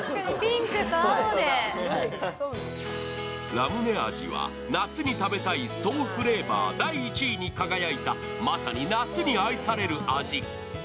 ラムネ味は夏に食べたい爽フレーバー第１位に輝いたまさに夏に愛される味。